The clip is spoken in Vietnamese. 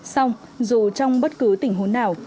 xong dù trong bất cứ tình huống nào